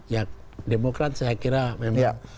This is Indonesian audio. ya demokrat saya kira memang